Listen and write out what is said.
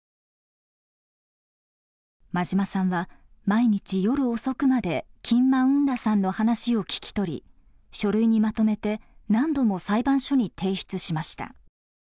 馬島さんは毎日夜遅くまでキン・マウン・ラさんの話を聞き取り書類にまとめて何度も裁判所に提出しました。